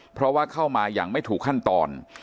เพราะว่าเข้ามาอย่างไม่ถูกขั้นตอน